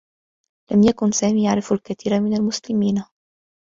لم يكن سامي يعرف الكثير من المسلمين.